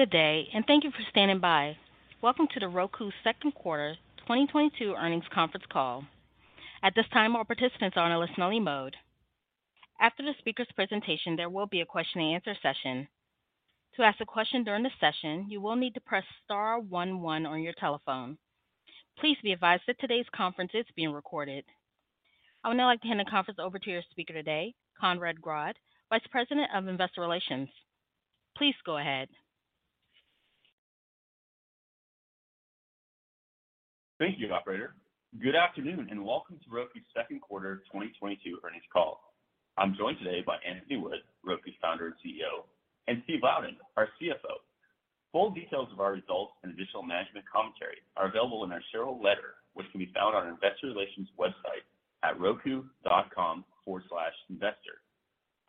Good day, and thank you for standing by. Welcome to the Roku second quarter 2022 earnings conference call. At this time, all participants are in a listen-only mode. After the speaker's presentation, there will be a question-and-answer session. To ask a question during the session, you will need to press star one one on your telephone. Please be advised that today's conference is being recorded. I would now like to hand the conference over to your speaker today, Conrad Grodd, Vice President of Investor Relations. Please go ahead. Thank you, operator. Good afternoon, and welcome to Roku's second quarter 2022 earnings call. I'm joined today by Anthony Wood, Roku's Founder and CEO, and Steve Louden, our CFO. Full details of our results and additional management commentary are available in our shareholder letter, which can be found on our investor relations website at roku.com/investor.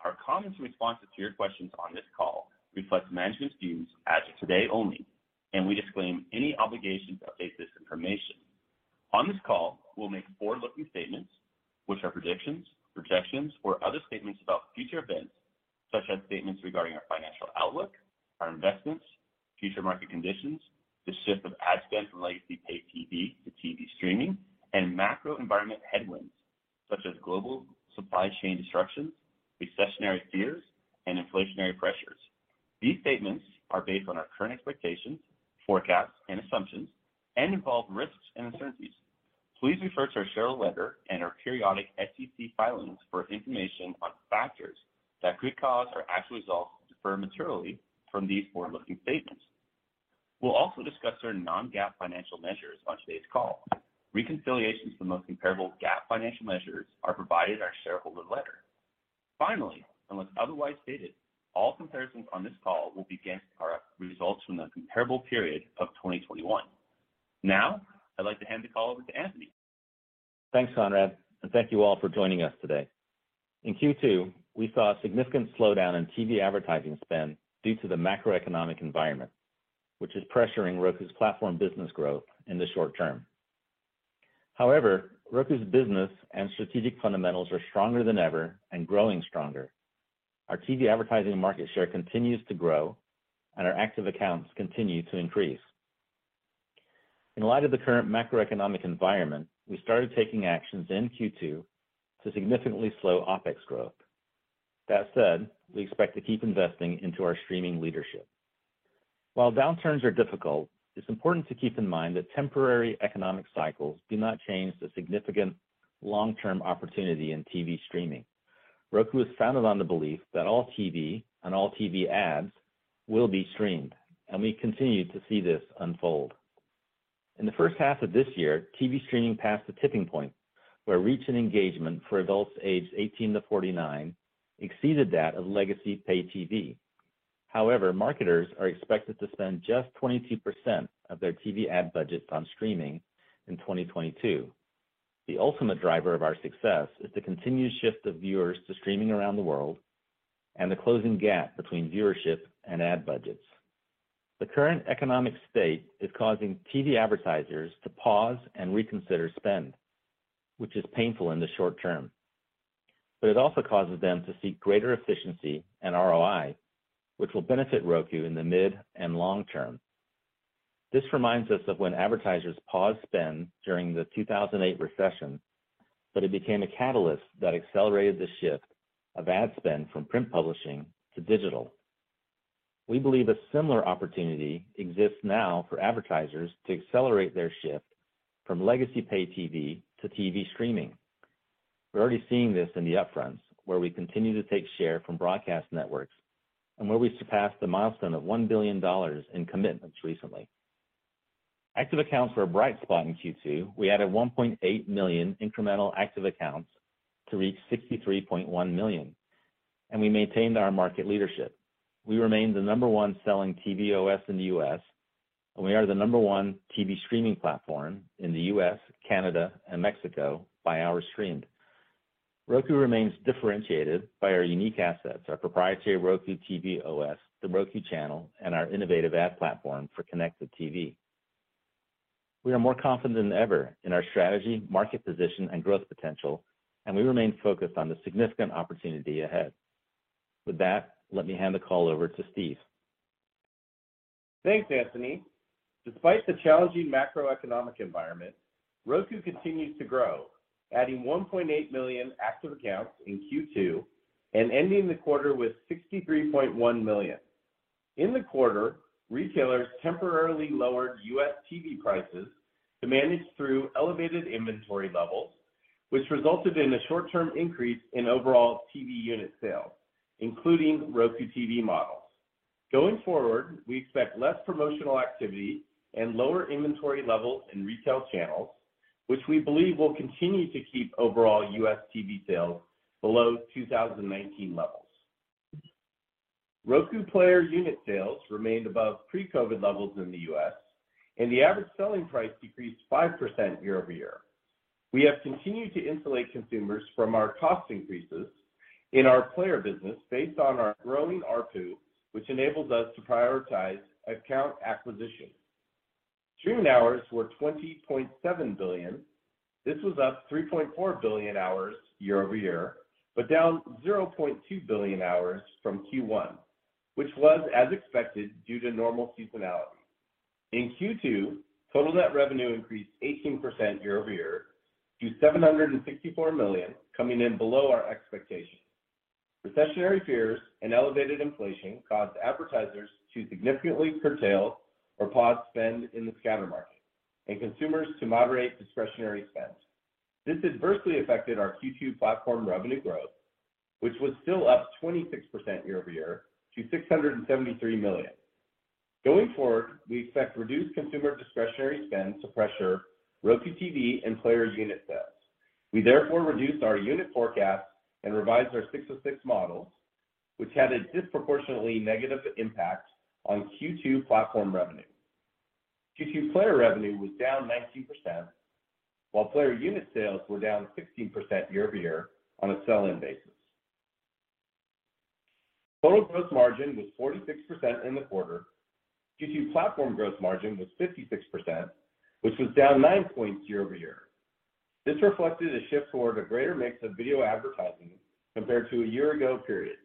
Our comments in response to your questions on this call reflect management's views as of today only, and we disclaim any obligation to update this information. On this call, we'll make forward-looking statements which are predictions, projections, or other statements about future events, such as statements regarding our financial outlook, our investments, future market conditions, the shift of ad spend from legacy pay TV to TV streaming, and macro environment headwinds such as global supply chain disruptions, recessionary fears, and inflationary pressures. These statements are based on our current expectations, forecasts and assumptions and involve risks and uncertainties. Please refer to our shareholder letter and our periodic SEC filings for information on factors that could cause our actual results to differ materially from these forward-looking statements. We'll also discuss our non-GAAP financial measures on today's call. Reconciliations to the most comparable GAAP financial measures are provided in our shareholder letter. Finally, unless otherwise stated, all comparisons on this call will be against our results from the comparable period of 2021. Now, I'd like to hand the call over to Anthony. Thanks, Conrad, and thank you all for joining us today. In Q2, we saw a significant slowdown in TV advertising spend due to the macroeconomic environment, which is pressuring Roku's platform business growth in the short term. However, Roku's business and strategic fundamentals are stronger than ever and growing stronger. Our TV advertising market share continues to grow, and our active accounts continue to increase. In light of the current macroeconomic environment, we started taking actions in Q2 to significantly slow OpEx growth. That said, we expect to keep investing into our streaming leadership. While downturns are difficult, it's important to keep in mind that temporary economic cycles do not change the significant long-term opportunity in TV streaming. Roku was founded on the belief that all TV and all TV ads will be streamed, and we continue to see this unfold. In the first half of this year, TV streaming passed the tipping point, where reach and engagement for adults aged 18-49 exceeded that of legacy pay TV. However, marketers are expected to spend just 22% of their TV ad budgets on streaming in 2022. The ultimate driver of our success is the continued shift of viewers to streaming around the world and the closing gap between viewership and ad budgets. The current economic state is causing TV advertisers to pause and reconsider spend, which is painful in the short term, but it also causes them to seek greater efficiency and ROI, which will benefit Roku in the mid and long term. This reminds us of when advertisers paused spend during the 2008 recession, but it became a catalyst that accelerated the shift of ad spend from print publishing to digital. We believe a similar opportunity exists now for advertisers to accelerate their shift from legacy pay TV to TV streaming. We're already seeing this in the upfronts, where we continue to take share from broadcast networks and where we surpassed the milestone of $1 billion in commitments recently. Active accounts were a bright spot in Q2. We added 1.8 million incremental active accounts to reach 63.1 million, and we maintained our market leadership. We remain the number-one selling TV OS in the U.S., and we are the number-one TV streaming platform in the U.S., Canada, and Mexico by hours streamed. Roku remains differentiated by our unique assets, our proprietary Roku TV OS, The Roku Channel, and our innovative ad platform for connected TV. We are more confident than ever in our strategy, market position, and growth potential, and we remain focused on the significant opportunity ahead. With that, let me hand the call over to Steve. Thanks, Anthony. Despite the challenging macroeconomic environment, Roku continues to grow, adding 1.8 million active accounts in Q2 and ending the quarter with 63.1 million. In the quarter, retailers temporarily lowered US TV prices to manage through elevated inventory levels, which resulted in a short-term increase in overall TV unit sales, including Roku TV models. Going forward, we expect less promotional activity and lower inventory levels in retail channels, which we believe will continue to keep overall US TV sales below 2019 levels. Roku player unit sales remained above pre-COVID levels in the US, and the average selling price decreased 5% year-over-year. We have continued to insulate consumers from our cost increases in our player business based on our growing ARPU, which enables us to prioritize account acquisition. Streaming hours were 20.7 billion. This was up 3.4 billion hours year-over-year, but down 0.2 billion hours from Q1, which was as expected due to normal seasonality. In Q2, total net revenue increased 18% year-over-year to $764 million, coming in below our expectations. Recessionary fears and elevated inflation caused advertisers to significantly curtail or pause spend in the scatter market and consumers to moderate discretionary spend. This adversely affected our Q2 platform revenue growth, which was still up 26% year-over-year to $673 million. Going forward, we expect reduced consumer discretionary spend to pressure Roku TV and player unit sales. We therefore reduced our unit forecast and revised our ASC 606 model, which had a disproportionately negative impact on Q2 platform revenue. Q2 player revenue was down 19%, while player unit sales were down 16% year-over-year on a sell-in basis. Total gross margin was 46% in the quarter. Q2 platform gross margin was 56%, which was down nine points year-over-year. This reflected a shift toward a greater mix of video advertising compared to a year ago period,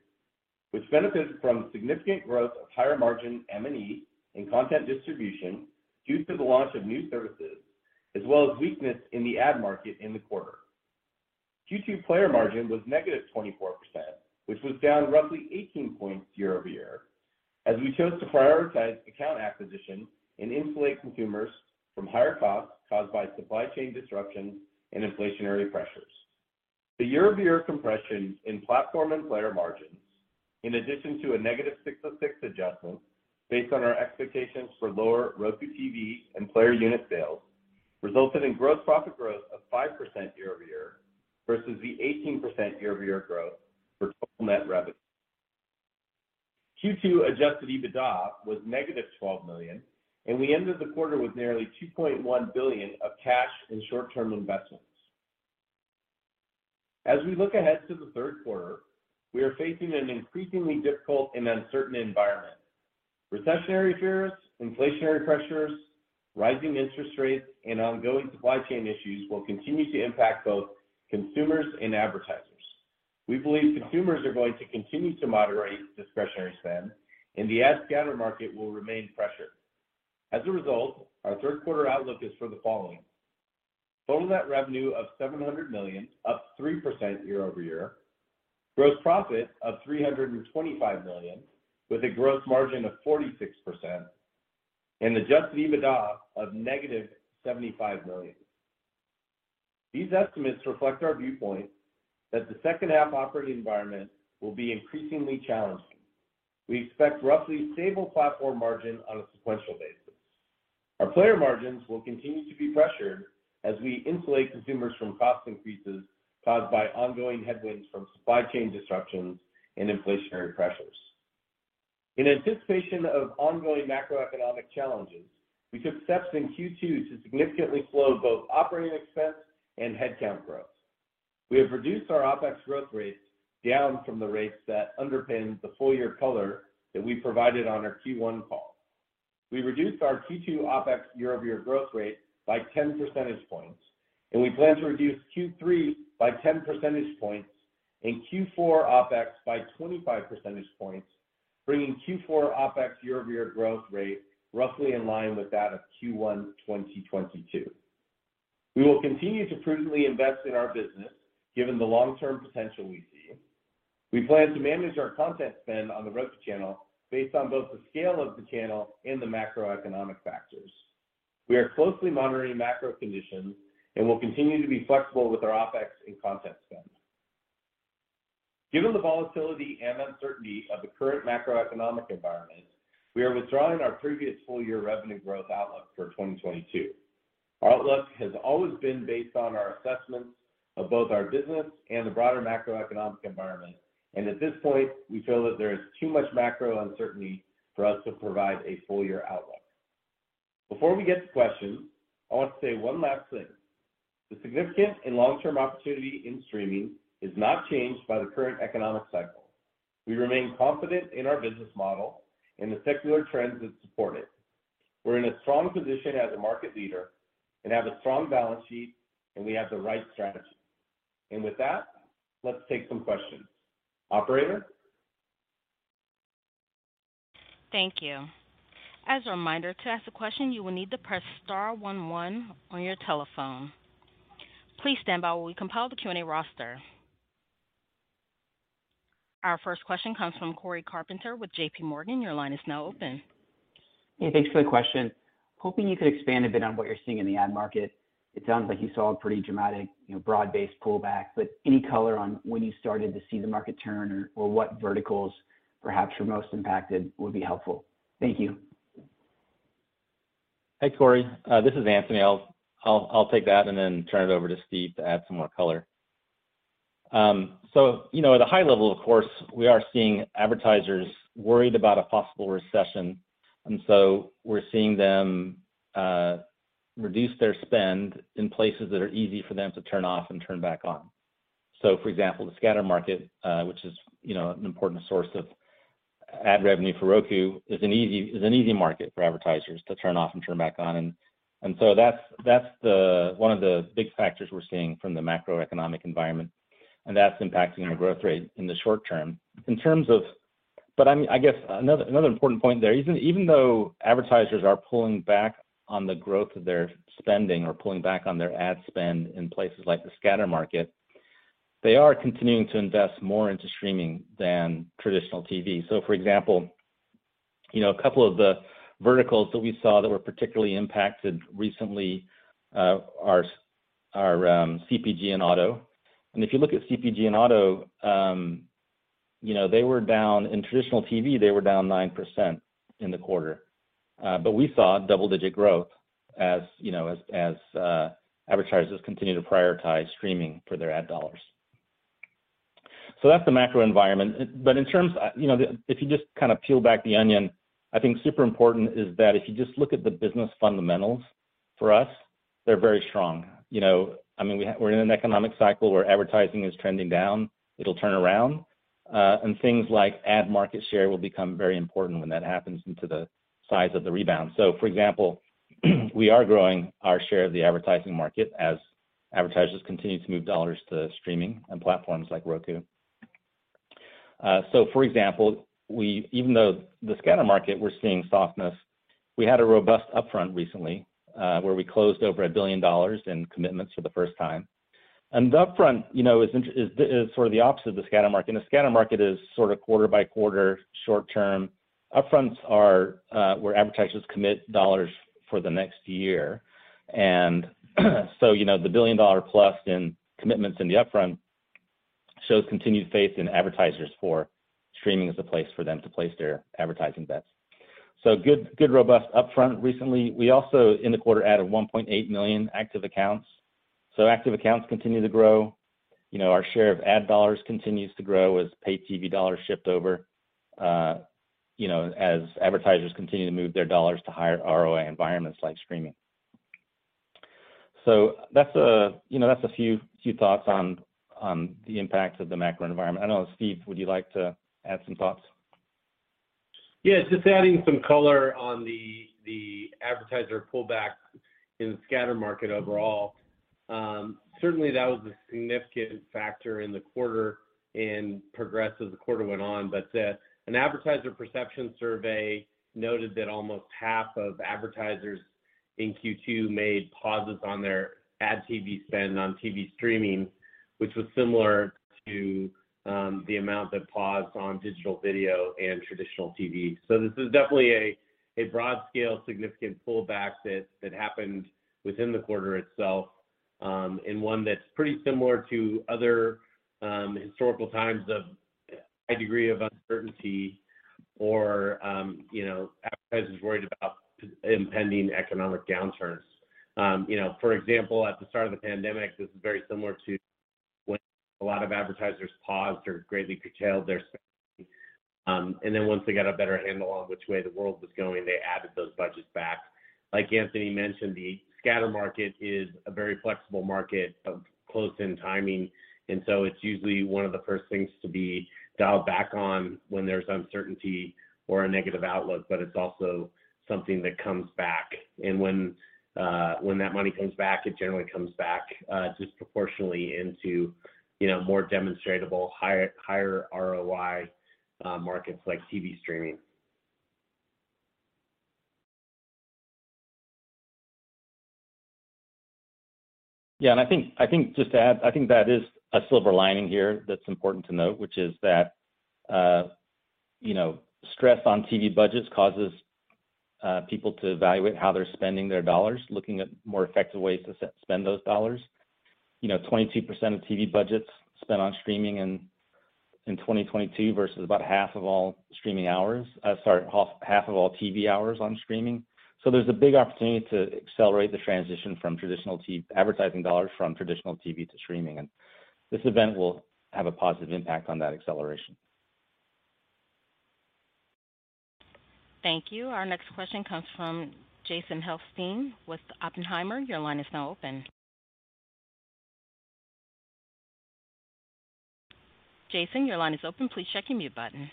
which benefited from significant growth of higher margin M&E and content distribution due to the launch of new services, as well as weakness in the ad market in the quarter. Q2 player margin was negative 24%, which was down roughly 18 points year-over-year, as we chose to prioritize account acquisition and insulate consumers from higher costs caused by supply chain disruptions and inflationary pressures. The year-over-year compression in platform and player margins, in addition to a negative ASC 606 adjustment based on our expectations for lower Roku TV and player unit sales, resulted in gross profit growth of 5% year-over-year versus the 18% year-over-year growth for total net revenue. Q2 adjusted EBITDA was negative $12 million, and we ended the quarter with nearly $2.1 billion of cash and short-term investments. As we look ahead to the third quarter, we are facing an increasingly difficult and uncertain environment. Recessionary fears, inflationary pressures, rising interest rates, and ongoing supply chain issues will continue to impact both consumers and advertisers. We believe consumers are going to continue to moderate discretionary spend and the ad scatter market will remain pressured. As a result, our third quarter outlook is for total net revenue of $700 million, up 3% year-over-year, gross profit of $325 million with a gross margin of 46%, and adjusted EBITDA of -$75 million. These estimates reflect our viewpoint that the second half operating environment will be increasingly challenging. We expect roughly stable platform margin on a sequential basis. Our player margins will continue to be pressured as we insulate consumers from cost increases caused by ongoing headwinds from supply chain disruptions and inflationary pressures. In anticipation of ongoing macroeconomic challenges, we took steps in Q2 to significantly slow both operating expense and headcount growth. We have reduced our OpEx growth rates down from the rates that underpin the full year color that we provided on our Q1 call. We reduced our Q2 OpEx year-over-year growth rate by 10 percentage points, and we plan to reduce Q3 by 10 percentage points and Q4 OpEx by 25 percentage points, bringing Q4 OpEx year-over-year growth rate roughly in line with that of Q1 2022. We will continue to prudently invest in our business, given the long-term potential we see. We plan to manage our content spend on the Roku Channel based on both the scale of the channel and the macroeconomic factors. We are closely monitoring macro conditions and will continue to be flexible with our OpEx and content spend. Given the volatility and uncertainty of the current macroeconomic environment, we are withdrawing our previous full year revenue growth outlook for 2022. Our outlook has always been based on our assessments of both our business and the broader macroeconomic environment, and at this point, we feel that there is too much macro uncertainty for us to provide a full year outlook. Before we get to questions, I want to say one last thing. The significant and long-term opportunity in streaming is not changed by the current economic cycle. We remain confident in our business model and the secular trends that support it. We're in a strong position as a market leader and have a strong balance sheet and we have the right strategy. With that, let's take some questions. Operator? Thank you. As a reminder, to ask a question, you will need to press star one one on your telephone. Please stand by while we compile the Q&A roster. Our first question comes from Cory Carpenter with JPMorgan. Your line is now open. Hey, thanks for the question. Hoping you could expand a bit on what you're seeing in the ad market. It sounds like you saw a pretty dramatic, you know, broad-based pullback, but any color on when you started to see the market turn or what verticals perhaps were most impacted would be helpful. Thank you. Hey, Cory, this is Anthony. I'll take that and then turn it over to Steve to add some more color. You know, at a high level, of course, we are seeing advertisers worried about a possible recession, and we're seeing them reduce their spend in places that are easy for them to turn off and turn back on. For example, the scatter market, which is an important source of ad revenue for Roku, is an easy market for advertisers to turn off and turn back on. That's one of the big factors we're seeing from the macroeconomic environment, and that's impacting the growth rate in the short term. I mean, I guess another important point there, even though advertisers are pulling back on the growth of their spending or pulling back on their ad spend in places like the scatter market, they are continuing to invest more into streaming than traditional TV. For example, you know, a couple of the verticals that we saw that were particularly impacted recently are CPG and auto. If you look at CPG and auto, you know, they were down. In traditional TV, they were down 9% in the quarter. We saw double-digit growth, you know, as advertisers continue to prioritize streaming for their ad dollars. That's the macro environment. If you just kind of peel back the onion, I think super important is that if you just look at the business fundamentals for us, they're very strong. You know, I mean, we're in an economic cycle where advertising is trending down. It'll turn around, and things like ad market share will become very important when that happens into the size of the rebound. For example, we are growing our share of the advertising market as advertisers continue to move dollars to streaming and platforms like Roku. For example, even though the scatter market, we're seeing softness, we had a robust upfront recently, where we closed over $1 billion in commitments for the first time. The upfront, you know, is sort of the opposite of the scatter market. The scatter market is sort of quarter by quarter, short-term. Upfronts are where advertisers commit dollars for the next year. You know, the $1 billion-plus in commitments in the upfront shows continued faith in advertisers for streaming as a place for them to place their advertising bets. Good robust upfront recently. We also, in the quarter, added 1.8 million active accounts. Active accounts continue to grow. You know, our share of ad dollars continues to grow as paid TV dollars shift over, you know, as advertisers continue to move their dollars to higher ROI environments like streaming. That's a few thoughts on the impact of the macro environment. I don't know, Steve, would you like to add some thoughts? Just adding some color on the advertiser pullback in the scatter market overall. Certainly, that was a significant factor in the quarter and progressed as the quarter went on. An advertiser perception survey noted that almost half of advertisers in Q2 made pauses on their ad TV spend on TV streaming, which was similar to the amount that paused on digital video and traditional TV. This is definitely a broad-scale significant pullback that happened within the quarter itself, and one that's pretty similar to other historical times of a high degree of uncertainty or, you know, advertisers worried about impending economic downturns. You know, for example, at the start of the pandemic, this was very similar to when a lot of advertisers paused or greatly curtailed their spending. Once they got a better handle on which way the world was going, they added those budgets back. Like Anthony mentioned, the scatter market is a very flexible market of close in timing, and so it's usually one of the first things to be dialed back on when there's uncertainty or a negative outlook, but it's also something that comes back. When that money comes back, it generally comes back disproportionately into, you know, more demonstrable, higher ROI markets like TV streaming. I think just to add, I think that is a silver lining here that's important to note, which is that, you know, stress on TV budgets causes people to evaluate how they're spending their dollars, looking at more effective ways to spend those dollars. You know, 22% of TV budgets spent on streaming in 2022 versus about half of all TV hours on streaming. There's a big opportunity to accelerate the transition from traditional TV advertising dollars from traditional TV to streaming. This event will have a positive impact on that acceleration. Thank you. Our next question comes from Jason Helfstein with Oppenheimer. Your line is now open. Jason, your line is open. Please check your mute button.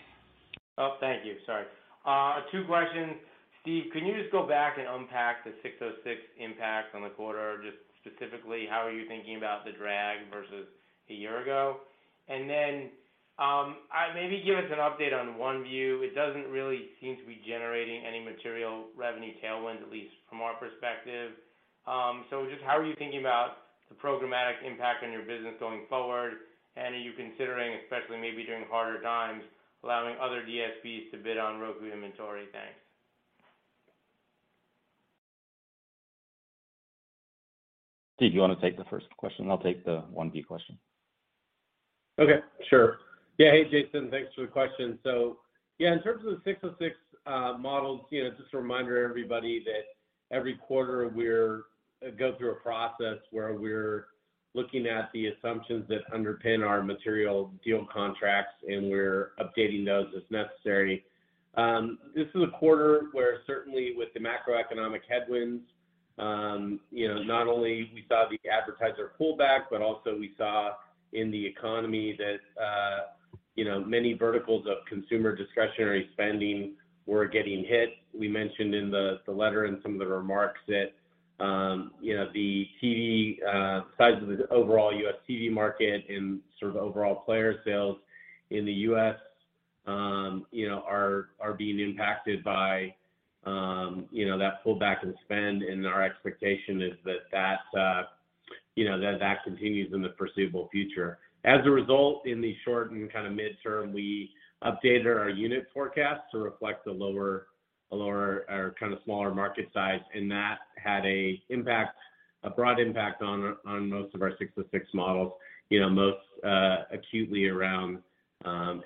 Two questions. Steve, can you just go back and unpack the ASC 606 impact on the quarter? Just specifically, how are you thinking about the drag versus a year ago? Maybe give us an update on OneView. It doesn't really seem to be generating any material revenue tailwinds, at least from our perspective. Just how are you thinking about the programmatic impact on your business going forward? Are you considering, especially maybe during harder times, allowing other DSPs to bid on Roku inventory? Thanks. Steve, do you wanna take the first question? I'll take the OneView question. Okay, sure. Yeah. Hey, Jason, thanks for the question. In terms of the ASC 606 models, you know, just a reminder to everybody that every quarter we go through a process where we're looking at the assumptions that underpin our material deal contracts, and we're updating those as necessary. This is a quarter where certainly with the macroeconomic headwinds, you know, not only we saw the advertiser pull back, but also we saw in the economy that, you know, many verticals of consumer discretionary spending were getting hit. We mentioned in the letter and some of the remarks that, you know, the TV size of the overall U.S. TV market and sort of overall player sales in the U.S., you know, are being impacted by, you know, that pullback in spend. Our expectation is that you know, that continues in the foreseeable future. As a result, in the short and kind of midterm, we updated our unit forecast to reflect the lower or kind of smaller market size. That had an impact, a broad impact on most of our six to six models. You know, most acutely around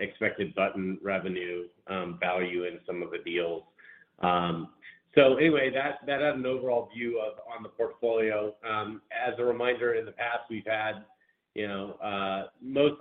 expected button revenue value in some of the deals. That had an overall view on the portfolio. As a reminder, in the past we've had you know, most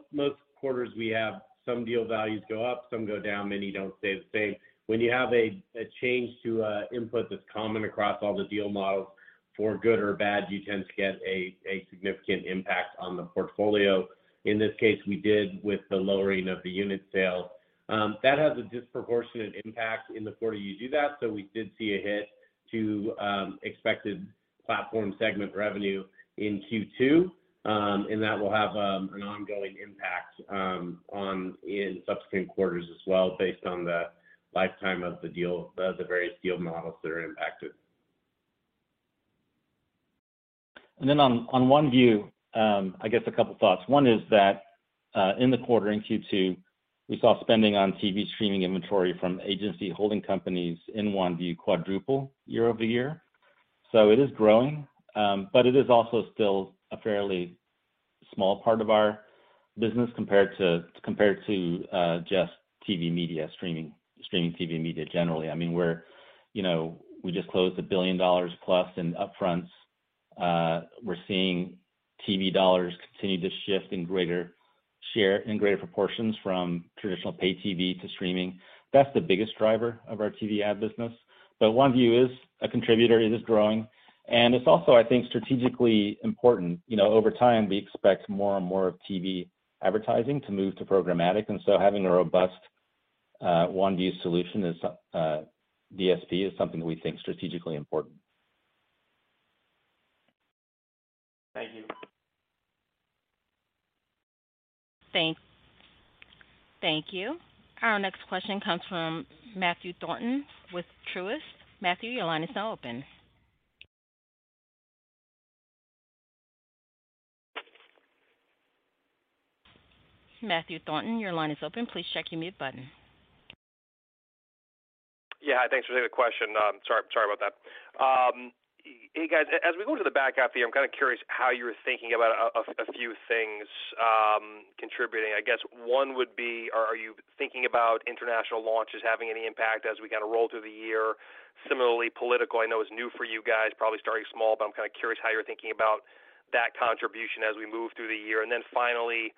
quarters we have some deal values go up, some go down, many don't stay the same. When you have a change to an input that's common across all the deal models, for good or bad, you tend to get a significant impact on the portfolio. In this case, we did with the lowering of the unit sale. That has a disproportionate impact in the quarter you do that. We did see a hit to expected platform segment revenue in Q2. That will have an ongoing impact on in subsequent quarters as well, based on the lifetime of the deal, of the various deal models that are impacted. On OneView, I guess a couple thoughts. One is that in Q2, we saw spending on TV streaming inventory from agency holding companies in OneView quadruple year-over-year. It is growing, but it is also still a fairly small part of our business compared to just streaming TV media generally. I mean, you know, we just closed $1 billion plus in upfronts. We're seeing TV dollars continue to shift in greater share, in greater proportions from traditional pay TV to streaming. That's the biggest driver of our TV ad business. OneView is a contributor, it is growing, and it's also, I think, strategically important. You know, over time, we expect more and more of TV advertising to move to programmatic, and so having a robust OneView solution, a DSP, is something we think strategically important. Thank you. Thank you. Our next question comes from Matthew Thornton with Truist. Matthew, your line is now open. Matthew Thornton, your line is open. Please check your mute button. Yeah, thanks for taking the question. Sorry about that. Hey, guys, as we go to the back half of the year, I'm kind of curious how you're thinking about a few things contributing. I guess one would be, are you thinking about international launches having any impact as we kind of roll through the year? Similarly, political, I know is new for you guys, probably starting small, but I'm kind of curious how you're thinking about that contribution as we move through the year. Then finally,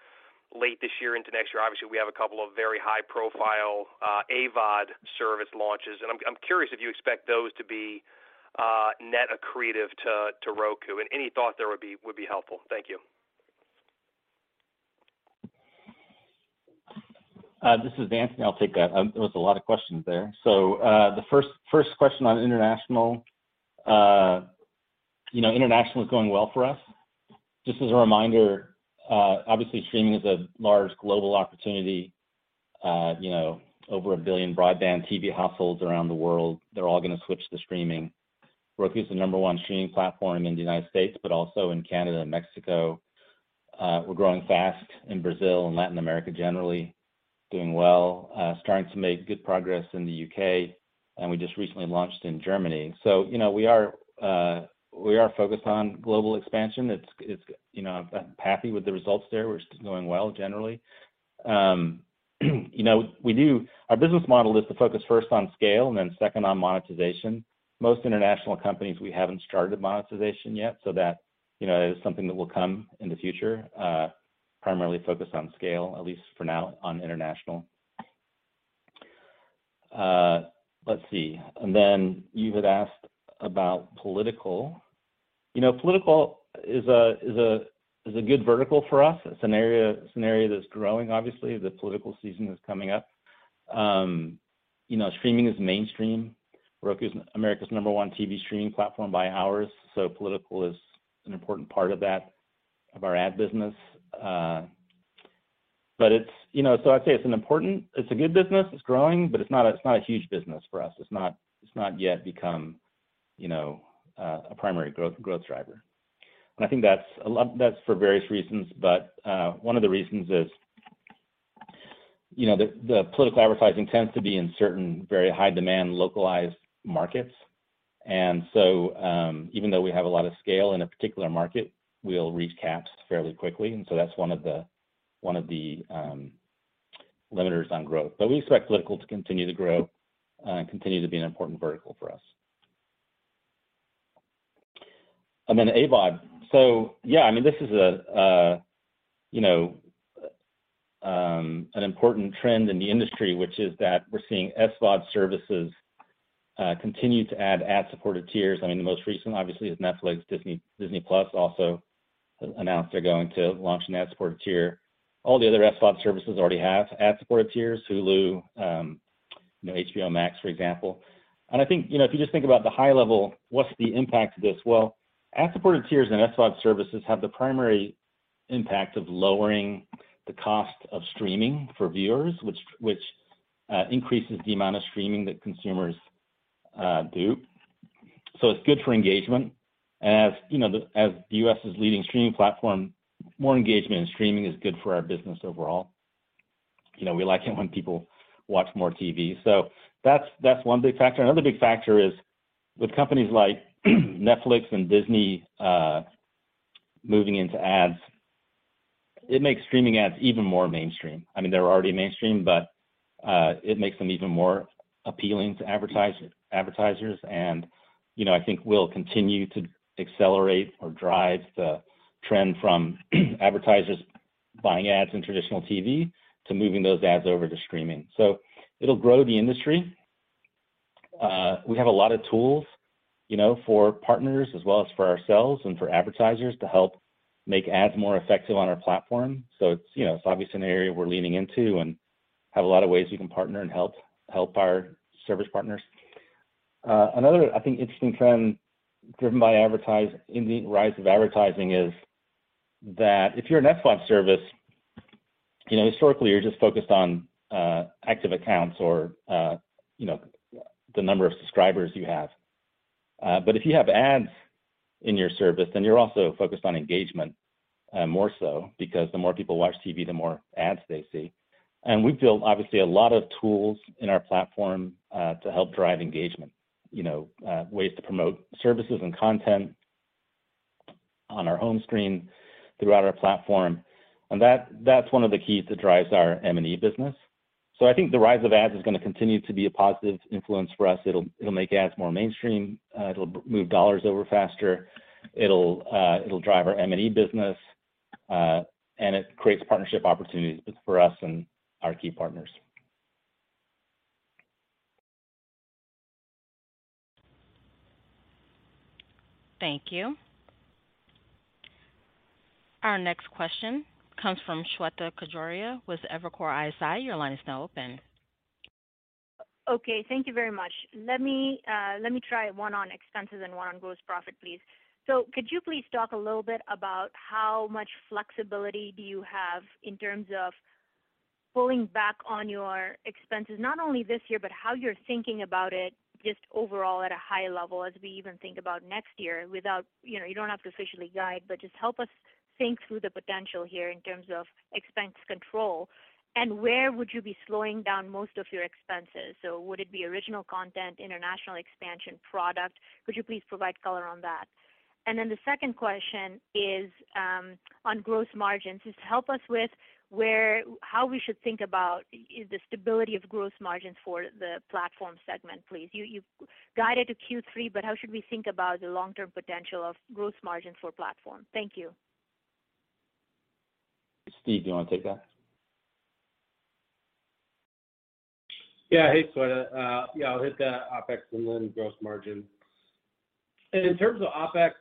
late this year into next year, obviously, we have a couple of very high-profile AVOD service launches, and I'm curious if you expect those to be net accretive to Roku. Any thought there would be helpful. Thank you. This is Anthony. I'll take that. There was a lot of questions there. The first question on international. You know, international is going well for us. Just as a reminder, obviously streaming is a large global opportunity. You know, over 1 billion broadband TV households around the world, they're all going to switch to streaming. Roku is the number one streaming platform in the United States, but also in Canada and Mexico. We're growing fast in Brazil and Latin America, generally doing well. Starting to make good progress in the U.K., and we just recently launched in Germany. You know, we are focused on global expansion. You know, I'm happy with the results there, which is going well generally. You know, our business model is to focus first on scale and then second on monetization. Most international companies, we haven't started monetization yet, so that is something that will come in the future, primarily focused on scale, at least for now, on international. Let's see. Then you had asked about political. You know, political is a good vertical for us. It's an area that's growing, obviously, the political season is coming up. You know, streaming is mainstream. Roku is America's number one TV streaming platform by hours, so political is an important part of that, of our ad business. But it's a good business, it's growing, but it's not a huge business for us. It's not yet become, you know, a primary growth driver. I think that's for various reasons. One of the reasons is, you know, the political advertising tends to be in certain very high demand, localized markets. Even though we have a lot of scale in a particular market, we'll reach caps fairly quickly. That's one of the limiters on growth. We expect political to continue to grow and continue to be an important vertical for us. AVOD. I mean, this is an important trend in the industry, which is that we're seeing SVOD services continue to add ad-supported tiers. The most recent obviously is Netflix. Disney+ also announced they're going to launch an ad-supported tier. All the other SVOD services already have ad-supported tiers. Hulu, you know, HBO Max, for example. I think, you know, if you just think about the high level, what's the impact of this? Well, ad-supported tiers and SVOD services have the primary impact of lowering the cost of streaming for viewers, which increases the amount of streaming that consumers do. It's good for engagement. As the U.S.'s leading streaming platform, more engagement in streaming is good for our business overall. You know, we like it when people watch more TV. That's one big factor. Another big factor is with companies like Netflix and Disney moving into ads, it makes streaming ads even more mainstream. I mean, they're already mainstream, but it makes them even more appealing to advertisers. You know, I think we'll continue to accelerate or drive the trend from advertisers buying ads in traditional TV to moving those ads over to streaming. It'll grow the industry. We have a lot of tools, you know, for partners as well as for ourselves and for advertisers to help make ads more effective on our platform. It's, you know, it's obviously an area we're leaning into and have a lot of ways we can partner and help our service partners. Another, I think, interesting trend driven by the rise of advertising is that if you're an SVOD service, you know, historically you're just focused on active accounts or, you know, the number of subscribers you have. If you have ads in your service, then you're also focused on engagement, more so because the more people watch TV, the more ads they see. We've built, obviously, a lot of tools in our platform to help drive engagement. You know, ways to promote services and content on our home screen throughout our platform. That, that's one of the keys that drives our M&E business. I think the rise of ads is gonna continue to be a positive influence for us. It'll make ads more mainstream. It'll move dollars over faster. It'll drive our M&E business, and it creates partnership opportunities both for us and our key partners. Thank you. Our next question comes from Shweta Khajuria with Evercore ISI. Your line is now open. Okay. Thank you very much. Let me try one on expenses and one on gross profit, please. Could you please talk a little bit about how much flexibility do you have in terms of pulling back on your expenses, not only this year, but how you're thinking about it just overall at a high level as we even think about next year without, you know, you don't have to officially guide, but just help us think through the potential here in terms of expense control. Where would you be slowing down most of your expenses? Would it be original content, international expansion product? Could you please provide color on that? Then the second question is on gross margins. Just help us with how we should think about the stability of gross margins for the platform segment, please. You guided to Q3, but how should we think about the long-term potential of gross margin for platform? Thank you. Steve, do you wanna take that? Yeah. Hey, Shweta. Yeah, I'll hit the OpEx and then gross margin. In terms of OpEx,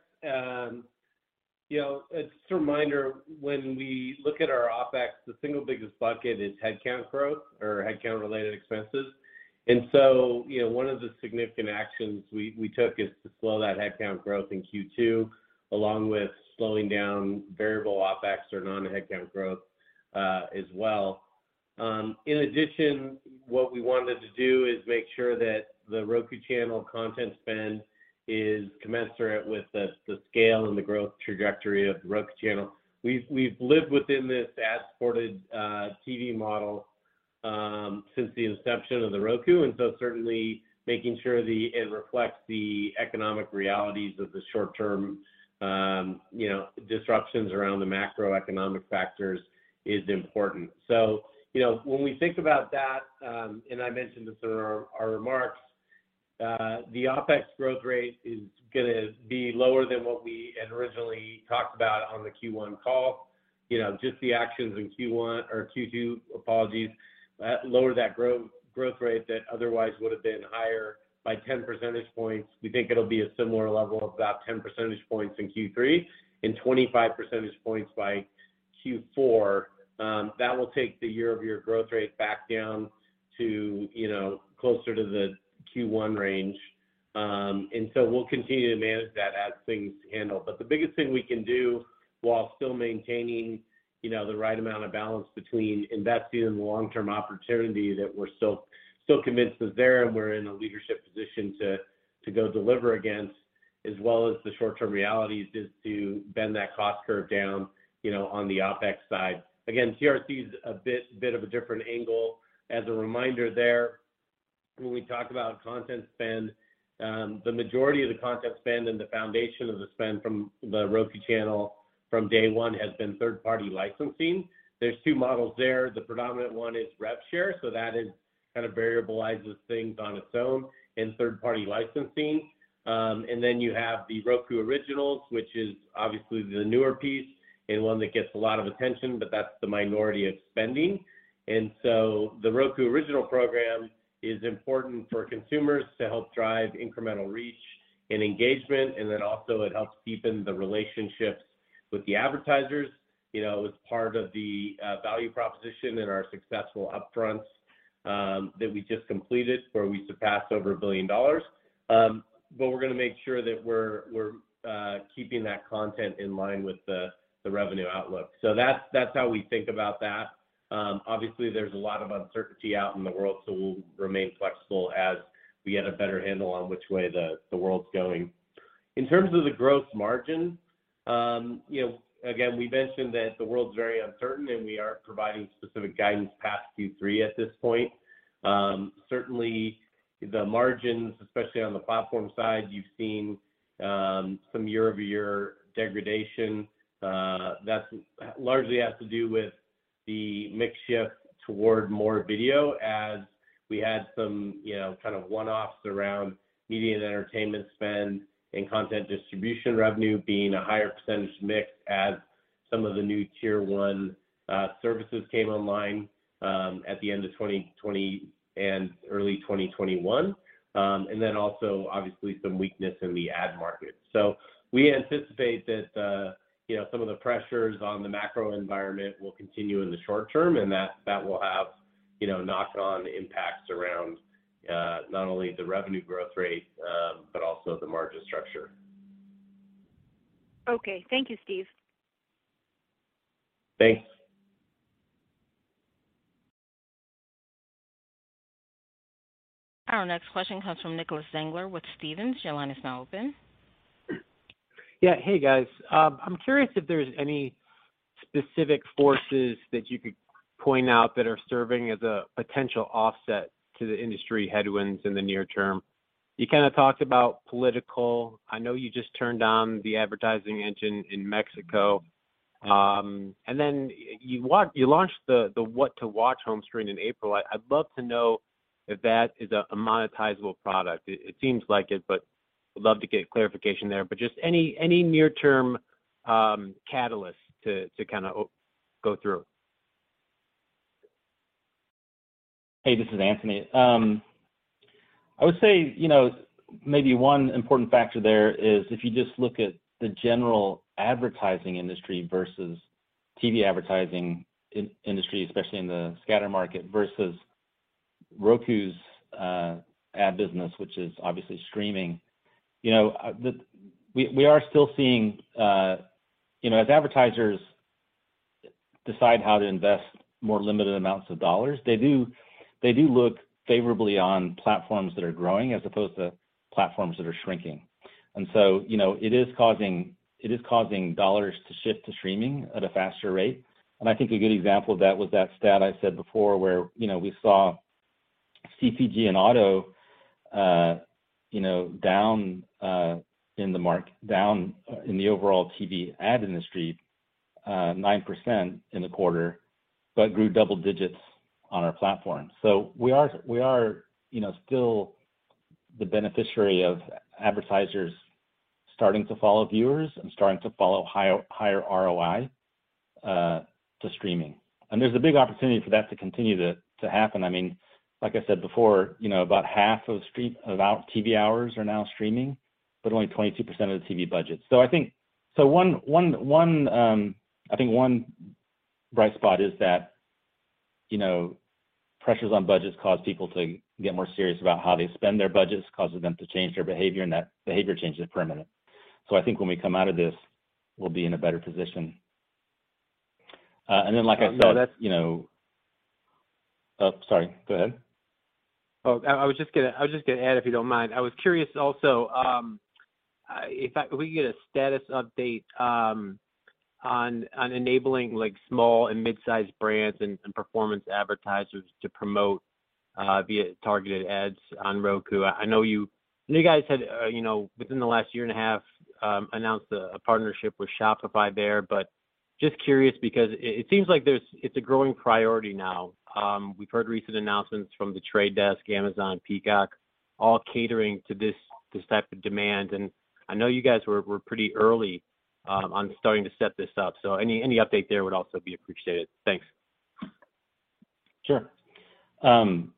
you know, it's a reminder when we look at our OpEx, the single biggest bucket is headcount growth or headcount-related expenses. You know, one of the significant actions we took is to slow that headcount growth in Q2, along with slowing down variable OpEx or non-headcount growth, as well. In addition, what we wanted to do is make sure that The Roku Channel content spend is commensurate with the scale and the growth trajectory of The Roku Channel. We've lived within this ad-supported TV model since the inception of The Roku, certainly making sure it reflects the economic realities of the short-term disruptions around the macroeconomic factors is important. You know, when we think about that, and I mentioned this in our remarks, the OpEx growth rate is gonna be lower than what we had originally talked about on the Q1 call. You know, just the actions in Q1 or Q2, apologies, lower that growth rate that otherwise would have been higher by 10 percentage points. We think it'll be a similar level, about 10 percentage points in Q3 and 25 percentage points by Q4. That will take the year-over-year growth rate back down to, you know, closer to the Q1 range. We'll continue to manage that as things handle. The biggest thing we can do while still maintaining, you know, the right amount of balance between investing in the long-term opportunity that we're still convinced is there and we're in a leadership position to go deliver against, as well as the short-term realities, is to bend that cost curve down, you know, on the OpEx side. Again, TRC is a bit of a different angle. As a reminder there, when we talk about content spend, the majority of the content spend and the foundation of the spend from The Roku Channel from day one has been third-party licensing. There's two models there. The predominant one is rev share, so that is kind of variabilizes things on its own in third-party licensing. You have the Roku Originals, which is obviously the newer piece and one that gets a lot of attention, but that's the minority of spending. The Roku Original program is important for consumers to help drive incremental reach and engagement, and then also it helps deepen the relationships. With the advertisers, you know, it was part of the value proposition in our successful upfronts that we just completed, where we surpassed over $1 billion. We're gonna make sure that we're keeping that content in line with the revenue outlook. That's how we think about that. Obviously there's a lot of uncertainty out in the world, so we'll remain flexible as we get a better handle on which way the world's going. In terms of the growth margin, you know, again, we mentioned that the world's very uncertain, and we aren't providing specific guidance past Q3 at this point. Certainly the margins, especially on the platform side, you've seen some year-over-year degradation. That's largely has to do with the mix shift toward more video as we had some, you know, kind of one-offs around media and entertainment spend and content distribution revenue being a higher percentage mix as some of the new tier one services came online at the end of 2020 and early 2021. And then also, obviously, some weakness in the ad market. We anticipate that, you know, some of the pressures on the macro environment will continue in the short term, and that will have, you know, knock-on impacts around not only the revenue growth rate, but also the margin structure. Okay. Thank you, Steve. Thanks. Our next question comes from Nicholas Zangler with Stephens. Your line is now open. Yeah. Hey, guys. I'm curious if there's any specific forces that you could point out that are serving as a potential offset to the industry headwinds in the near term. You kinda talked about political. I know you just turned on the advertising engine in Mexico. Then you launched the What to Watch home screen in April. I'd love to know if that is a monetizable product. It seems like it, but would love to get clarification there. Just any near term catalyst to kinda go through. Hey, this is Anthony. I would say, you know, maybe one important factor there is if you just look at the general advertising industry versus TV advertising in the industry, especially in the scatter market, versus Roku's ad business, which is obviously streaming. You know, we are still seeing, you know, as advertisers decide how to invest more limited amounts of dollars, they do look favorably on platforms that are growing as opposed to platforms that are shrinking. You know, it is causing dollars to shift to streaming at a faster rate. I think a good example of that was that stat I said before, where, you know, we saw CPG and auto down in the market down in the overall TV ad industry 9% in the quarter, but grew double digits on our platform. We are, you know, still the beneficiary of advertisers starting to follow viewers and starting to follow higher ROI to streaming. There's a big opportunity for that to continue to happen. I mean, like I said before, you know, about half of TV hours are now streaming, but only 22% of the TV budget. I think... One bright spot is that, you know, pressures on budgets cause people to get more serious about how they spend their budgets, causes them to change their behavior, and that behavior change is permanent. I think when we come out of this, we'll be in a better position. Like I said. No, that's. You know. Oh, sorry. Go ahead. I was just gonna add if you don't mind. I was curious also if we could get a status update on enabling like small and midsize brands and performance advertisers to promote via targeted ads on Roku. I know you guys had you know within the last year and a half announced a partnership with Shopify there. Just curious because it seems like it's a growing priority now. We've heard recent announcements from The Trade Desk, Amazon, Peacock, all catering to this type of demand. I know you guys were pretty early on starting to set this up. Any update there would also be appreciated. Thanks. Sure. You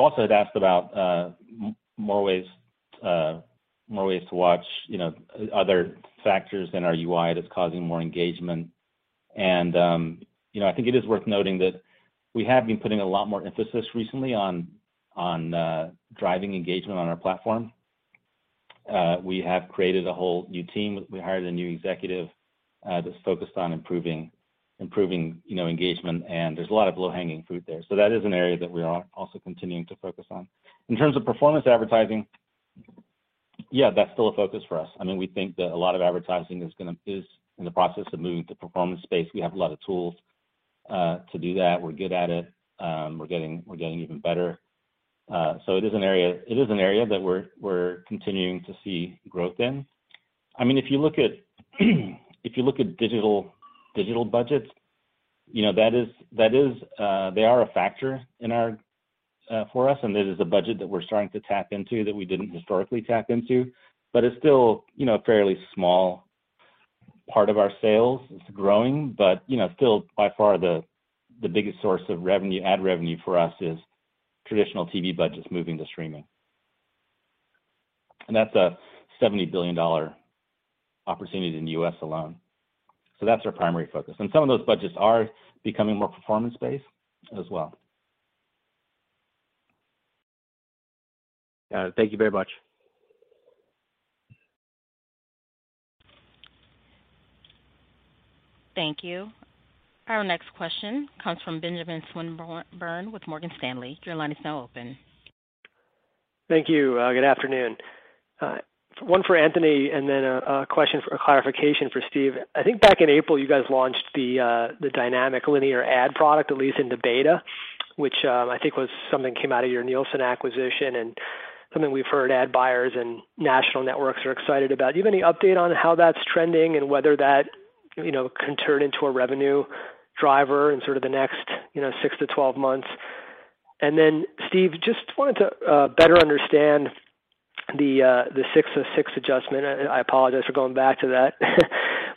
also had asked about more ways to watch, you know, other factors in our UI that's causing more engagement. You know, I think it is worth noting that we have been putting a lot more emphasis recently on driving engagement on our platform. We have created a whole new team. We hired a new executive that's focused on improving, you know, engagement, and there's a lot of low-hanging fruit there. That is an area that we are also continuing to focus on. In terms of performance advertising, yeah, that's still a focus for us. I mean, we think that a lot of advertising is in the process of moving to performance space. We have a lot of tools to do that. We're good at it. We're getting even better. It is an area that we're continuing to see growth in. I mean, if you look at digital budgets, you know, that is, they are a factor in our, for us, and it is a budget that we're starting to tap into that we didn't historically tap into. It's still, you know, a fairly small part of our sales. It's growing, but you know, still by far the biggest source of revenue, ad revenue for us is traditional TV budgets moving to streaming. That's a $70 billion opportunity in the U.S. alone. That's our primary focus. Some of those budgets are becoming more performance-based as well. Thank you very much. Thank you. Our next question comes from Benjamin Swinburne with Morgan Stanley. Your line is now open. Thank you. Good afternoon. One for Anthony and then a question for a clarification for Steve. I think back in April, you guys launched the dynamic linear ad product, at least into beta, which I think was something came out of your Nielsen acquisition and something we've heard ad buyers and national networks are excited about. Do you have any update on how that's trending and whether that, you know, can turn into a revenue driver in sort of the next, you know, 6-12 months? Then Steve, just wanted to better understand the ASC 606 adjustment. I apologize for going back to that.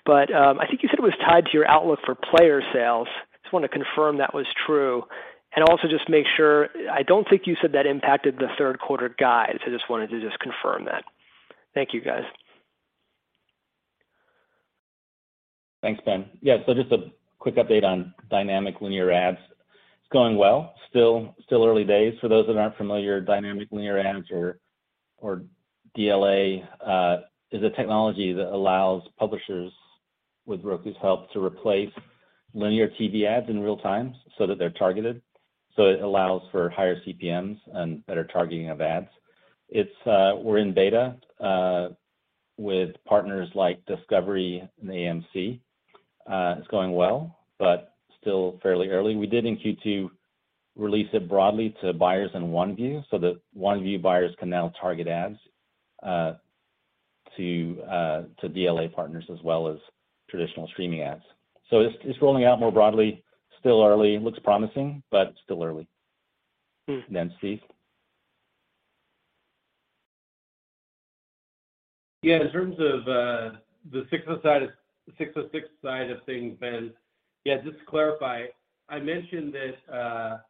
I think you said it was tied to your outlook for player sales. Just wanna confirm that was true. Also, just make sure. I don't think you said that impacted the third quarter guide, so just wanted to confirm that. Thank you, guys. Thanks, Ben. Yeah, so just a quick update on dynamic linear ads. It's going well. Still early days. For those that aren't familiar, dynamic linear ads or DLA is a technology that allows publishers with Roku's help to replace linear TV ads in real time so that they're targeted, so it allows for higher CPMs and better targeting of ads. We're in beta with partners like Discovery and AMC. It's going well, but still fairly early. We did in Q2 release it broadly to buyers in OneView, so the OneView buyers can now target ads to DLA partners as well as traditional streaming ads. So it's rolling out more broadly. Still early. Looks promising, but still early. Mm-hmm. Steve. Yeah. In terms of the Roku side of things, Ben, yeah, just to clarify, I mentioned that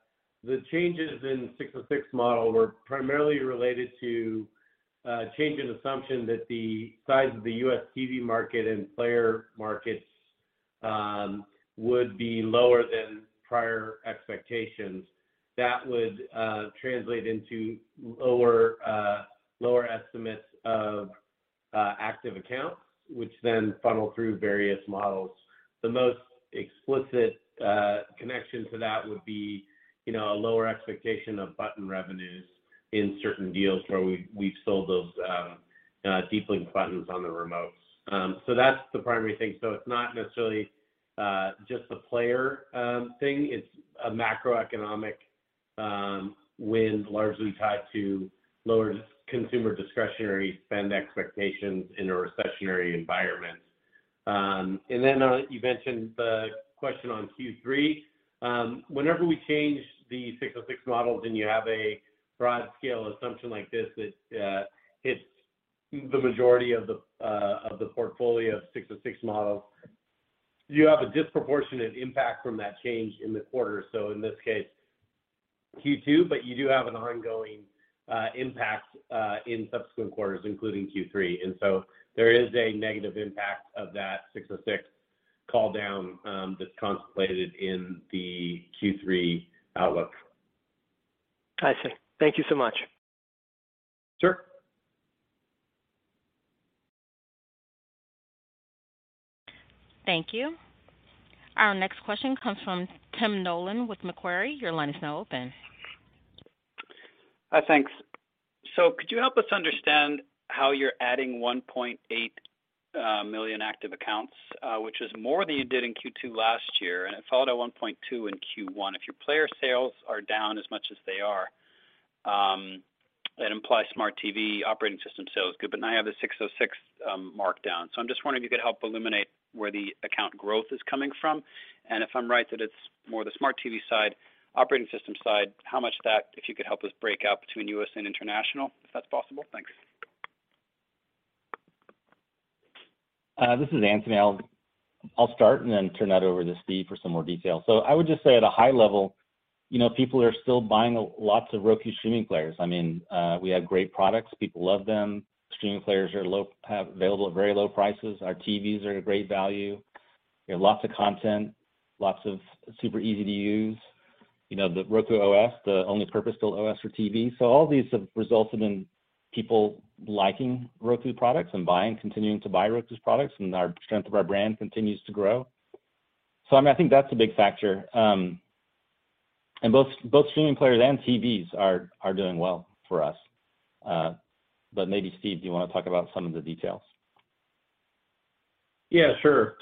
the changes in Roku model were primarily related to a change in assumption that the size of the U.S. TV market and player markets would be lower than prior expectations. That would translate into lower estimates of active accounts, which then funnel through various models. The most explicit connection to that would be, you know, a lower expectation of button revenues in certain deals where we've sold those deep link buttons on the remotes. So that's the primary thing. It's not necessarily just a player thing. It's a macroeconomic headwind largely tied to lower consumer discretionary spend expectations in a recessionary environment. You mentioned the question on Q3. Whenever we change the ASC 606 models and you have a broad scale assumption like this that hits the majority of the portfolio ASC 606 model, you have a disproportionate impact from that change in the quarter. In this case, Q2, but you do have an ongoing impact in subsequent quarters, including Q3. There is a negative impact of that ASC 606 call down that's contemplated in the Q3 outlook. I see. Thank you so much. Sure. Thank you. Our next question comes from Tim Nollen with Macquarie. Your line is now open. Thanks. Could you help us understand how you're adding 1.8 million active accounts, which is more than you did in Q2 last year, and it followed at 1.2 in Q1. If your player sales are down as much as they are, that implies Smart TV operating system sales good, but now you have the 606 markdown. I'm just wondering if you could help illuminate where the account growth is coming from. If I'm right that it's more the Smart TV side, operating system side, how much that if you could help us break out between U.S. and international, if that's possible. Thanks. This is Anthony. I'll start and then turn that over to Steve for some more detail. I would just say at a high level, you know, people are still buying lots of Roku streaming players. I mean, we have great products. People love them. Streaming players are available at very low prices. Our TVs are a great value. We have lots of content, lots of super easy to use. You know, the Roku OS, the only purpose-built OS for TV. All these have resulted in people liking Roku products and buying, continuing to buy Roku's products, and our strength of our brand continues to grow. I mean, I think that's a big factor. Both streaming players and TVs are doing well for us. Maybe Steve, do you wanna talk about some of the details? Yeah, sure.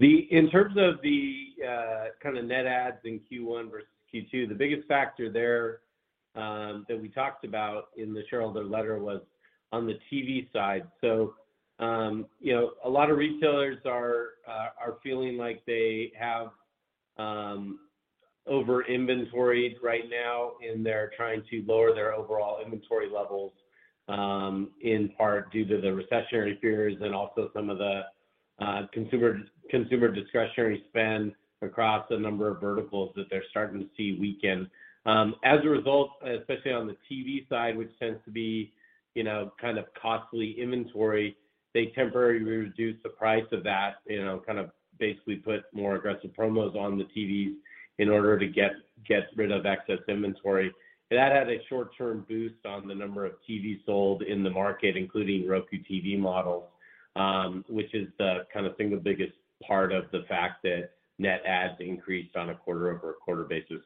In terms of the kinda net adds in Q1 versus Q2, the biggest factor there that we talked about in the shareholder letter was on the TV side. You know, a lot of retailers are feeling like they have over-inventoried right now, and they're trying to lower their overall inventory levels. In part due to the recessionary fears and also some of the consumer discretionary spend across a number of verticals that they're starting to see weaken. As a result, especially on the TV side, which tends to be, you know, kind of costly inventory, they temporarily reduce the price of that, you know, kind of basically put more aggressive promos on the TVs in order to get rid of excess inventory. That had a short-term boost on the number of TVs sold in the market, including Roku TV models, which is the kind of thing, the biggest part of the fact that net adds increased on a quarter-over-quarter basis.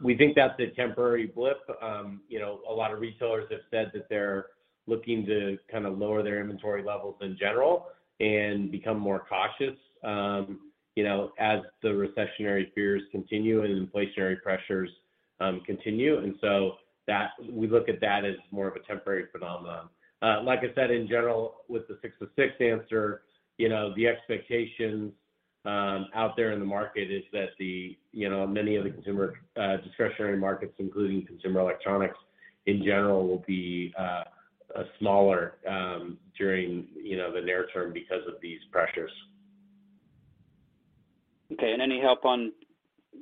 We think that's a temporary blip. You know, a lot of retailers have said that they're looking to kinda lower their inventory levels in general and become more cautious, you know, as the recessionary fears continue and inflationary pressures continue. We look at that as more of a temporary phenomenon. Like I said, in general, with the 6-to-6 answer, you know, the expectations out there in the market is that the, you know, many of the consumer discretionary markets, including consumer electronics in general, will be smaller during, you know, the near term because of these pressures. Okay. Any help on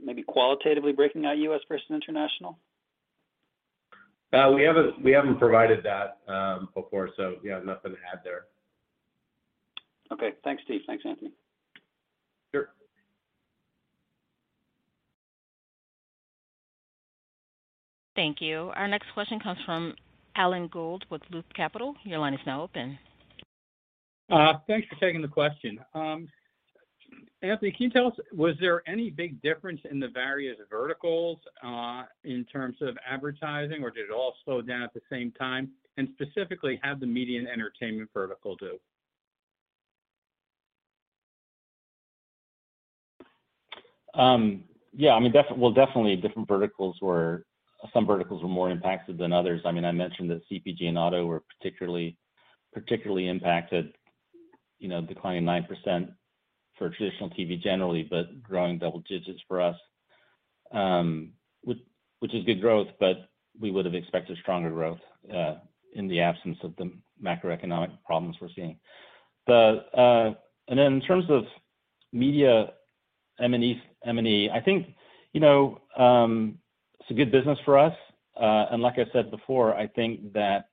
maybe qualitatively breaking out U.S. versus international? We haven't provided that before, so we have nothing to add there. Okay. Thanks, Steve. Thanks, Anthony. Sure. Thank you. Our next question comes from Alan Gould with Loop Capital. Your line is now open. Thanks for taking the question. Anthony, can you tell us, was there any big difference in the various verticals, in terms of advertising, or did it all slow down at the same time? Specifically, how the media and entertainment vertical do? Yeah, I mean, well, definitely some verticals were more impacted than others. I mean, I mentioned that CPG and auto were particularly impacted, you know, declining 9% for traditional TV generally, but growing double digits for us, which is good growth, but we would have expected stronger growth in the absence of the macroeconomic problems we're seeing. In terms of media M&E, I think, you know, it's a good business for us. Like I said before, I think that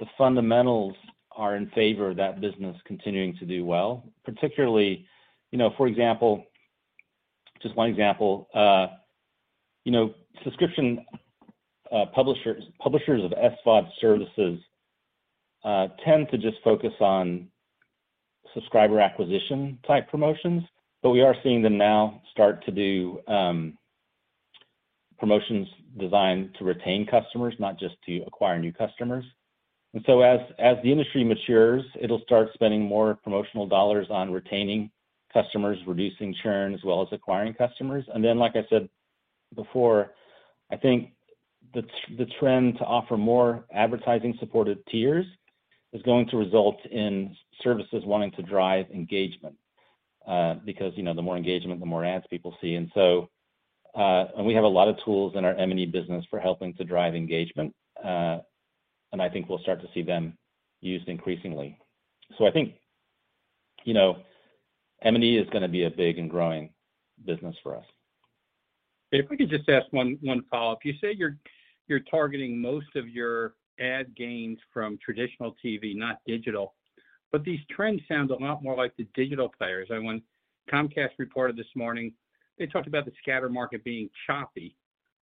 the fundamentals are in favor of that business continuing to do well. Particularly, you know, for example, just one example, you know, subscription publishers of SVOD services tend to just focus on subscriber acquisition-type promotions. We are seeing them now start to do promotions designed to retain customers, not just to acquire new customers. As the industry matures, it'll start spending more promotional dollars on retaining customers, reducing churn, as well as acquiring customers. Like I said before, I think the trend to offer more advertising-supported tiers is going to result in services wanting to drive engagement, because, you know, the more engagement, the more ads people see. We have a lot of tools in our M&E business for helping to drive engagement, and I think we'll start to see them used increasingly. I think, you know, M&E is gonna be a big and growing business for us. If we could just ask one follow-up. You say you're targeting most of your ad gains from traditional TV, not digital, but these trends sound a lot more like the digital players. When Comcast reported this morning, they talked about the scatter market being choppy,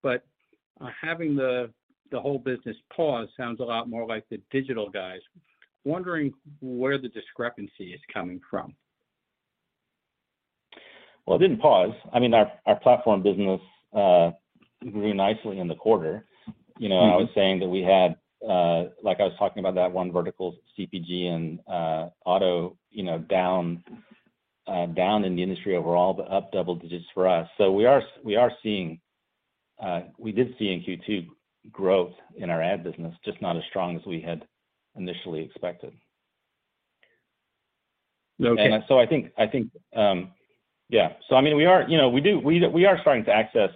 but having the whole business pause sounds a lot more like the digital guys. Wondering where the discrepancy is coming from. Well, it didn't pause. I mean, our platform business grew nicely in the quarter. You know. Mm-hmm I was saying that we had like I was talking about that one vertical CPG and auto, you know, down in the industry overall, but up double digits for us. We are seeing, we did see in Q2 growth in our ad business, just not as strong as we had initially expected. Okay. I think. I mean, we are, you know, we are starting to access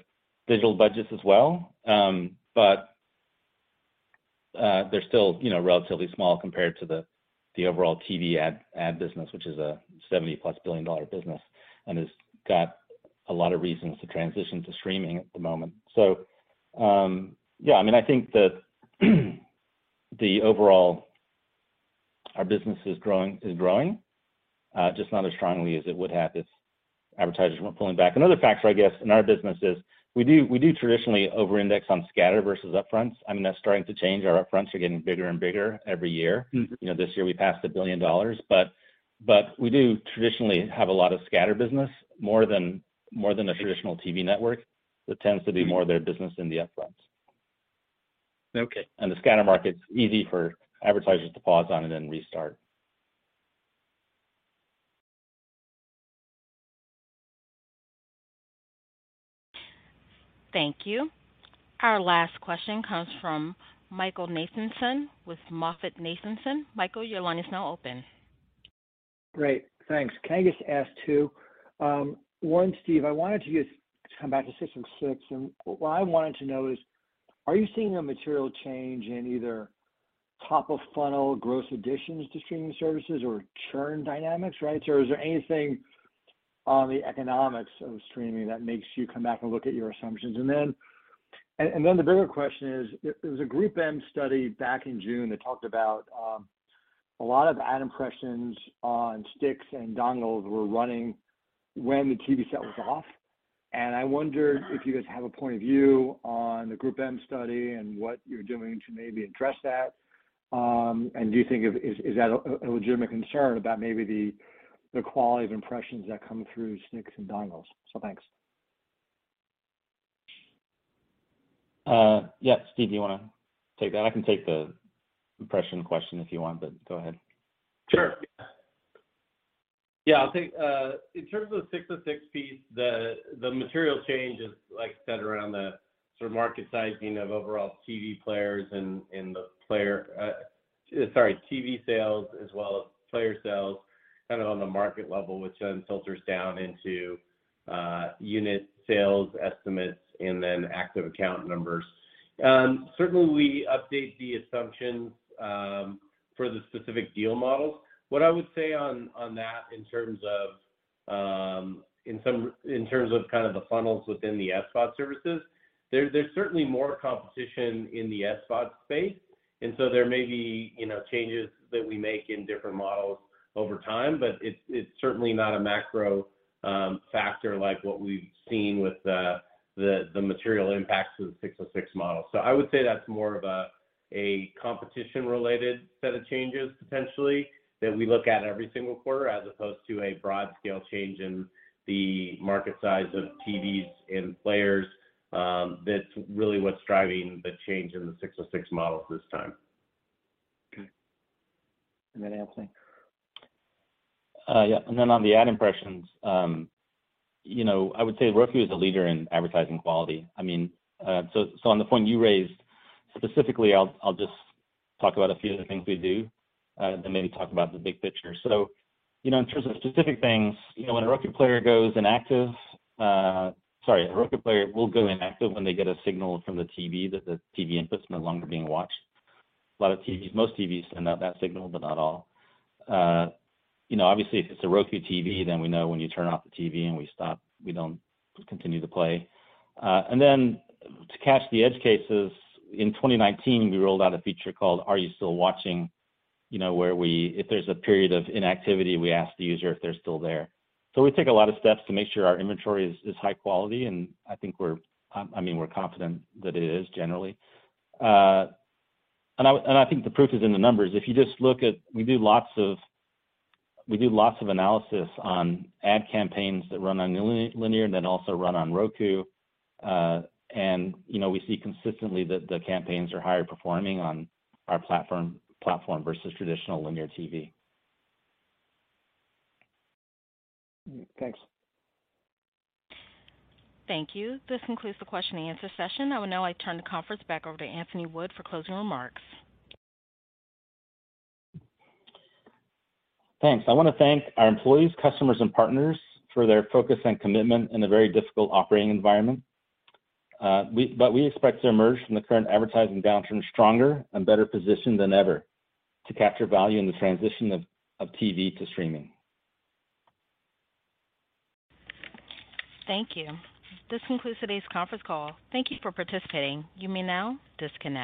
digital budgets as well. But they're still, you know, relatively small compared to the overall TV ad business, which is a $70+ billion business and has got a lot of reasons to transition to streaming at the moment. Yeah, I mean, I think that overall our business is growing just not as strongly as it would have if advertisers weren't pulling back. Another factor, I guess, in our business is we do traditionally over-index on scatter versus upfront. I mean, that's starting to change. Our upfronts are getting bigger and bigger every year. Mm-hmm. You know, this year we passed $1 billion. We do traditionally have a lot of scatter business, more than a traditional TV network that tends to be more of their business in the upfront. Okay. The scatter market's easy for advertisers to pause on and then restart. Thank you. Our last question comes from Michael Nathanson with MoffettNathanson. Michael, your line is now open. Great. Thanks. Can I just ask two? One, Steve, I wanted to just come back to system six, and what I wanted to know is, are you seeing a material change in either top of funnel gross additions to streaming services or churn dynamics, right? Is there anything on the economics of streaming that makes you come back and look at your assumptions? The bigger question is, there was a GroupM study back in June that talked about a lot of ad impressions on sticks and dongles were running when the TV set was off. I wondered if you guys have a point of view on the GroupM study and what you're doing to maybe address that. Do you think if... Is that a legitimate concern about maybe the quality of impressions that come through sticks and dongles? Thanks. Yeah. Steve, do you wanna take that? I can take the impression question if you want, but go ahead. Sure. Yeah, I'll take. In terms of the ASC 606 piece, the material change is like centered around the sort of market sizing of overall TV players and the player, sorry, TV sales as well as player sales, kind of on the market level, which then filters down into unit sales estimates and then active account numbers. Certainly we update the assumptions for the specific deal models. What I would say on that in terms of kind of the funnels within the SVOD services, there's certainly more competition in the SVOD space, and so there may be, you know, changes that we make in different models over time. It's certainly not a macro factor like what we've seen with the material impacts to the ASC 606 model. I would say that's more of a competition related set of changes, potentially, that we look at every single quarter, as opposed to a broad scale change in the market size of TVs and players, that's really what's driving the change in the ASC 606 models this time. Okay. Anthony. Yeah. Then on the ad impressions, you know, I would say Roku is a leader in advertising quality. I mean, so on the point you raised, specifically I'll just talk about a few of the things we do, and then maybe talk about the big picture. You know, in terms of specific things, you know, when a Roku player will go inactive when they get a signal from the TV that the TV input's no longer being watched. A lot of TVs, most TVs send out that signal, but not all. You know, obviously if it's a Roku TV, then we know when you turn off the TV and we stop, we don't continue to play. To catch the edge cases, in 2019 we rolled out a feature called Are You Still Watching, you know, where if there's a period of inactivity, we ask the user if they're still there. We take a lot of steps to make sure our inventory is high quality, and I think, I mean, we're confident that it is, generally. I think the proof is in the numbers. If you just look at, we do lots of analysis on ad campaigns that run on linear and then also run on Roku. You know, we see consistently that the campaigns are higher performing on our platform versus traditional linear TV. Thanks. Thank you. This concludes the question and answer session. Now I turn the conference back over to Anthony Wood for closing remarks. Thanks. I wanna thank our employees, customers and partners for their focus and commitment in a very difficult operating environment. We expect to emerge from the current advertising downturn stronger and better positioned than ever to capture value in the transition of TV to streaming. Thank you. This concludes today's conference call. Thank you for participating. You may now disconnect.